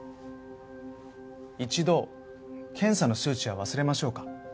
一度検査の数値は忘れましょうか。